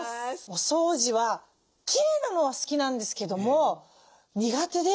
お掃除はきれいなのは好きなんですけども苦手で。